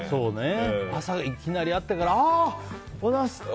朝、いきなり会ってからあっ！